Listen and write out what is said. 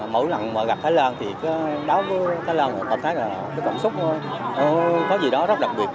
mỗi lần mà gặp thái lan thì đối với thái lan là cảm xúc có gì đó rất đặc biệt